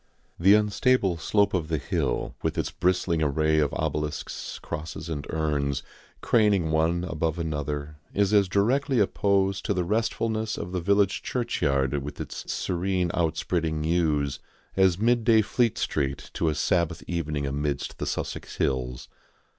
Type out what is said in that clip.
The unstable slope of the hill, with its bristling array of obelisks, crosses and urns, craning one above another, is as directly opposed to the restfulness of the village churchyard with its serene outspreading yews as midday Fleet Street to a Sabbath evening amidst the Sussex hills.